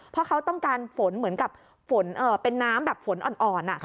เพราะเขาต้องการฝนเหมือนกับฝนเป็นน้ำแบบฝนอ่อน